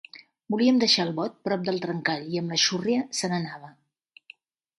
Volíem deixar el bot prop del trencall, i amb la xurria se n'anava.